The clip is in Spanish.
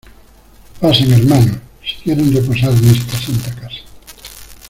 pasen, hermanos , si quieren reposar en esta santa casa.